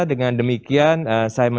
dengan demikian saya